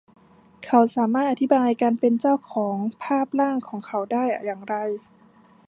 เขาสามารถอธิบายการเป็นเจ้าของภาพร่างของเขาได้อย่างไร